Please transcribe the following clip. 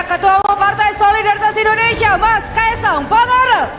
ketua umum partai solidaritas indonesia mas kaesong